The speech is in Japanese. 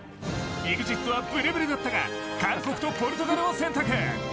ＥＸＩＴはブレブレだったが韓国とポルトガルを選択。